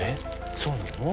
そうなの？